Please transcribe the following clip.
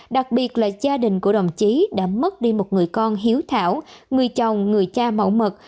đặc biệt là gia đình của đồng chí đã mất đi một người con hiếu thảo người chồng người cha mẫu mực